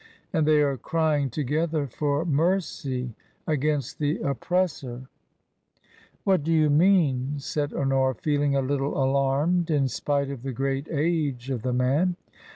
And they are crying together for mercy against the oppressor." TRANSITION, 43 " What do you mean ?" said Honora, feeling a little alarmed in spite of the great age of the man.